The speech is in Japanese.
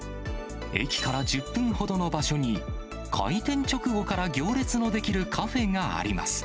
駅から１０分ほどの場所に開店直後から行列の出来るカフェがあります。